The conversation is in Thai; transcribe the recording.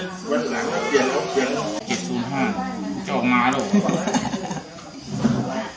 ต้องเอาเทียนเหลือง